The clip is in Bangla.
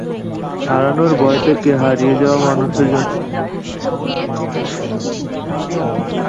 হারানোর ভয় থেকেও হারিয়ে যাওয়া মানুষের জন্য অপেক্ষা, অসীম এক বেদনাসম।